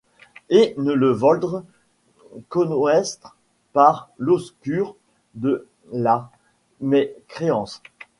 Et ne le volldrent conoistre par loscurte de la mes creance.